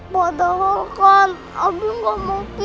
padahalkan abi gak mau pisah sama tante dewi